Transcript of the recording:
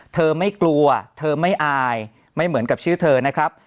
เธอไม่กลัวเธอไม่อายไม่เหมือนกับชื่อเธอนะครับ